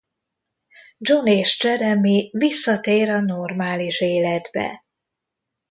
John és Jeremy visszatér a normális életbe.